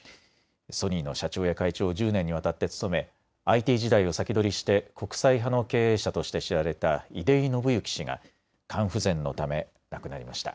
ソニーの社長や会長を１０年にわたって務めＩＴ時代を先取りして国際派の経営者として知られた出井伸之氏が肝不全のため亡くなりました。